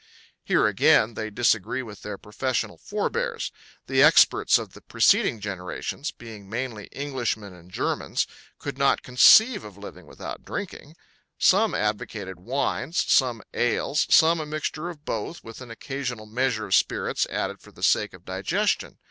Here, again, they disagree with their professional forebears. The experts of the preceding generations, being mainly Englishmen and Germans, could not conceive of living without drinking. Some advocated wines, some ales, some a mixture of both with an occasional measure of spirits added for the sake of digestion.